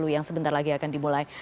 yang sebentar lagi akan dimulai